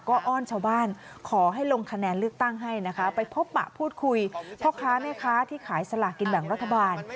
ก็อ้อนชาวบ้านขอให้ลงคะแนนเลือกตั้งให้นะคะไปพบปะพูดคุยพ่อค้าแม่ค้าที่ขายสลากกินแบ่งรัฐบาล